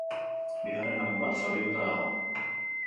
Bigarren lagun bat zaurituta dago.